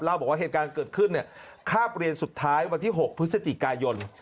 บอกว่าเหตุการณ์เกิดขึ้นคาบเรียนสุดท้ายวันที่๖พฤศจิกายน